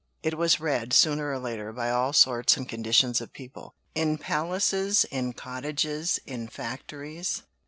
It was read, sooner or later, by all sorts and conditions of people; in palaces, in cottages, in factories.